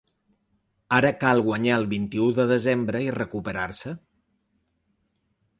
Ara cal guanyar el vint-i-u de desembre i recuperar-se.